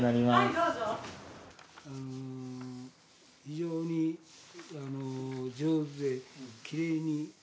非常に上手できれいに。